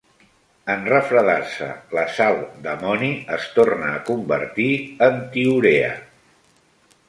En refredar-se, la sal d'amoni es torna a convertir en tiourea.